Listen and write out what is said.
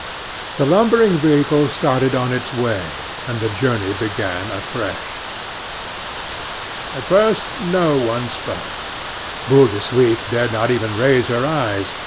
The lumbering vehicle started on its way, and the journey began afresh. At first no one spoke. Boule de Suif dared not even raise her eyes.